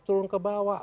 turun ke bawah